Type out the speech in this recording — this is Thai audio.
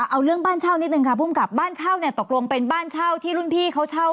เอาเรื่องบ้านเช่านิดนึงค่ะภูมิกับบ้านเช่าเนี่ยตกลงเป็นบ้านเช่าที่รุ่นพี่เขาเช่า